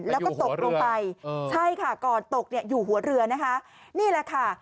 แล้วก็ตกลงไปใช่ค่ะก่อนตกเนี่ยอยู่หัวเรือนะคะนี่แหละค่ะ